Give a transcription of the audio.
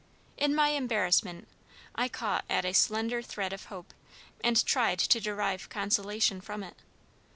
In my embarrassment, I caught at a slender thread of hope, and tried to derive consolation from it.